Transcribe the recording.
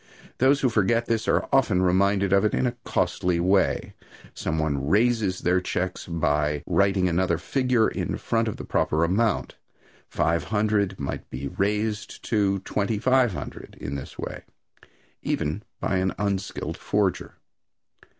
Those who forget this are often reminded of it in a costly way. Some one "raises" their checks by writing another figure in front of the proper amount. "Five hundred" might be "raised" to "twenty five hundred" in this way, even by an unskilled forger.